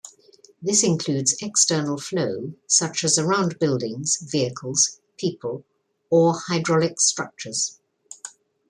This includes external flow such as around buildings, vehicles, people, or hydraulic structures.